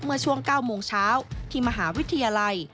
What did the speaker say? เมื่อช่วง๙โมงเช้าที่มหาวิทยาลัย